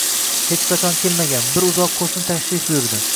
Hech qachon kelmagan, bir uzoq ko'shni tashrif buyurdi.